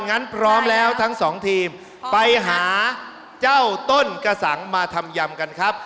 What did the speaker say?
งั้นพร้อมแล้วทั้งสองทีมไปหาเจ้าต้นกระสังมาทำยำกันครับ